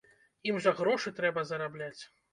Ім жа грошы трэба зарабляць.